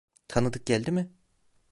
Tanıdık geldi mi?